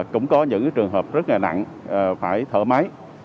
cũng có những trường hợp rất là nặng phải thở máy